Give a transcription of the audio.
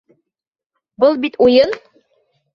Был бит уйын!